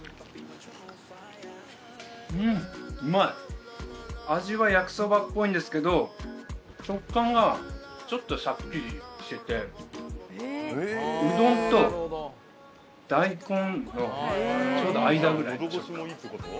うんうまい味は焼きそばっぽいんですけど食感がちょっとシャッキリしててうどんと大根のちょうど間ぐらいの食感